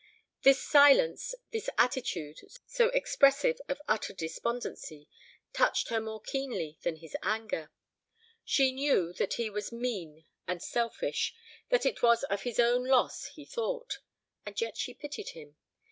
This silence, this attitude, so expressive of utter despondency, touched her more keenly than his anger. She knew that he was mean and selfish, that it was of his own loss he thought; and yet she pitied him.